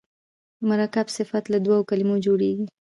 مرکب صفت له دوو کلمو جوړیږي.